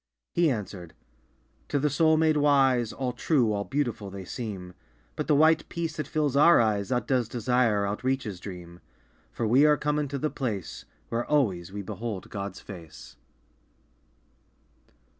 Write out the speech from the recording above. He answered "To the soul made wise All true, all beautiful they seem. But the white peace that fills our eyes Outdoes desire, outreaches dream. For we are come unto the place Where always we behold God's face!"